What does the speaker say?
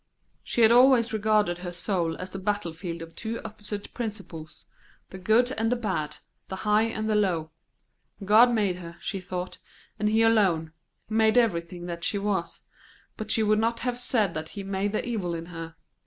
She had always regarded her soul as the battlefield of two opposite principles, the good and the bad, the high and the low. God made her, she thought, and He alone; He made everything that she was; but she would not have said that He made the evil in her.